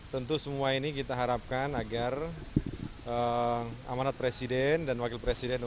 tentu semua ini kita harapkan agar amanat presiden dan wakil presiden